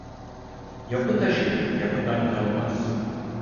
Yapı taşı, yapıdan kalmaz.